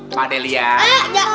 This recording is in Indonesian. apa ini berontakin